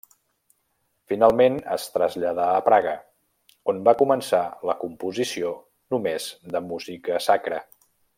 Finalment es traslladà a Praga, on va començar la composició només de música sacra.